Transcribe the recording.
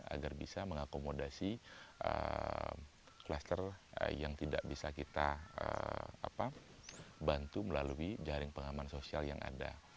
agar bisa mengakomodasi klaster yang tidak bisa kita bantu melalui jaring pengaman sosial yang ada